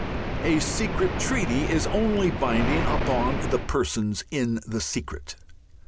A secret treaty is only binding upon the persons in the secret.